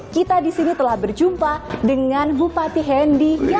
kita disini telah berjumpa dengan bupati hendiri